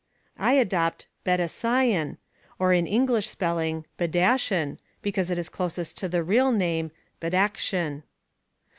I adopt BadasCIAN, or in English spelling Badashan, because it is closest to the real name Badakhshan.